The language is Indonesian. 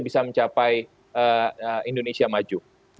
bisa mencapai indonesia maju